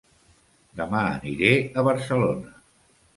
Dema aniré a Barcelona